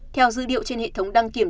theo dữ điệu trên hệ thống đăng kiểm